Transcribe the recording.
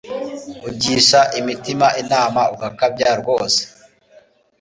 ugisha imitima inama ugakabya rwose